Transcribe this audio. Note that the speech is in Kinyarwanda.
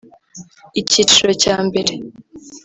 Icyiciro cya mbere